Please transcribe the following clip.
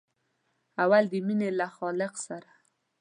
اول د مینې له خالق سره.